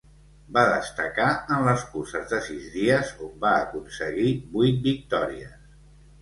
Va destacar en les curses de sis dies on va aconseguir vuit victòries.